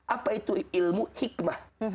apa itu ilmu hikmah